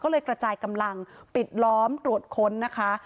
ก็เลยกระจายกำลังปิดล้อมตรวจค้นนะคะ